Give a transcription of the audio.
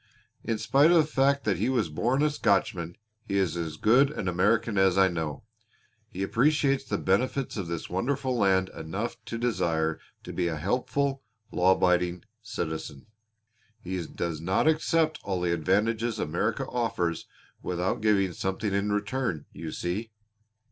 In spite of the fact that he was born a Scotchman he is as good an American as I know. He appreciates the benefits of this wonderful land enough to desire to be a helpful, law abiding citizen. He does not accept all the advantages America offers without giving something in return, you see."